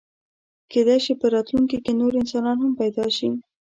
کېدی شي په راتلونکي کې نور انسانان هم پیدا شي.